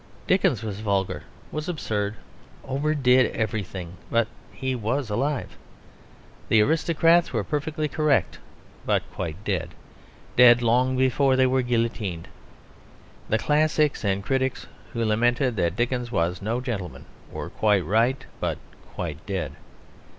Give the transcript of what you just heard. Dickens was vulgar, was absurd, overdid everything, but he was alive. The aristocrats were perfectly correct, but quite dead; dead long before they were guillotined. The classics and critics who lamented that Dickens was no gentleman were quite right, but quite dead.